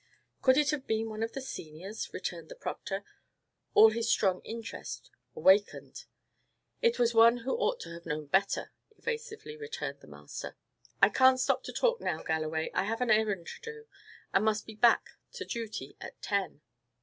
"Could it have been one of the seniors?" returned the proctor, all his strong interest awakened. "It was one who ought to have known better," evasively returned the master. "I can't stop to talk now, Galloway. I have an errand to do, and must be back to duty at ten."